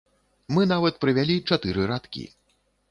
Мы нават прывялі чатыры радкі.